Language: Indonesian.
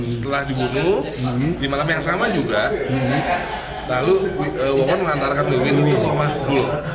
setelah dibunuh di malam yang sama juga lalu mowon mengantarkan wiwin ke rumah suduloh